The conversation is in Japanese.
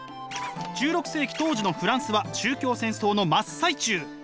１６世紀当時のフランスは宗教戦争の真っ最中。